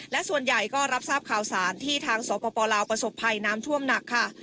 และส่วนใหญ่ก็รับทราบข่าวสารที่ทางสปลาวประสบภัยน้ำท่วมหนักค่ะ